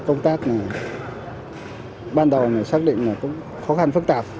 công tác ban đầu xác định là cũng khó khăn phức tạp